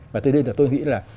và tới đây là tôi nghĩ là